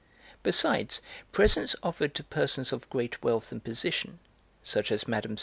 Besides, presents offered to persons of great wealth and position, such as Mme.